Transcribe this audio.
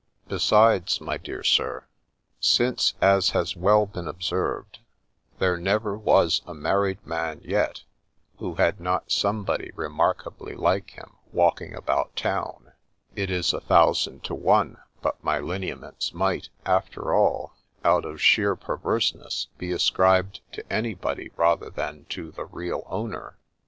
Besides, my dear Sir, since, as has well been observed, ' there never was a married man yet who had not somebody remarkably like him walking about town,' it is a thousand to one but my lineaments might, after all, out of sheer perverseness be ascribed to any body rather than to the real owner.